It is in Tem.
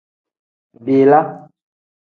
Bila.